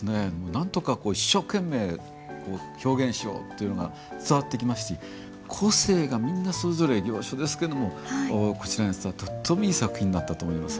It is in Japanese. なんとか一生懸命表現しようというのが伝わってきますし個性がみんなそれぞれ行書ですけどもこちらに伝わるとってもいい作品になったと思います。